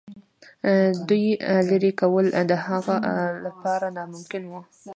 دوی لیري کول د هغه لپاره ناممکن وه.